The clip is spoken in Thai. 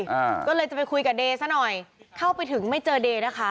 อ่าก็เลยจะไปคุยกับเดย์ซะหน่อยเข้าไปถึงไม่เจอเดย์นะคะ